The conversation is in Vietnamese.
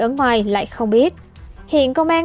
ở ngoài lại không biết hiện công an